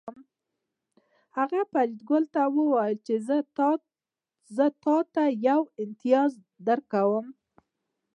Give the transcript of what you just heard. هغه فریدګل ته وویل چې زه تاته یو امتیاز درکوم